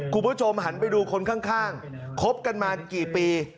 คุณผู้ชมหันไปดูคนข้างคบกันมากี่ปี